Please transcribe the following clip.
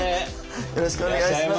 よろしくお願いします。